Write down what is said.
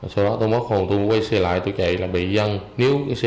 sau đó tôi mất hồn tôi quay xe lại tôi chạy là bị dân